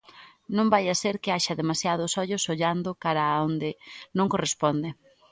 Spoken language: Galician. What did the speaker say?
Non vaia ser que haxa demasiados ollos ollando cara a onde non corresponde.